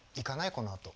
このあと。